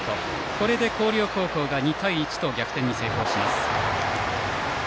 これで広陵高校が２対１と逆転に成功します。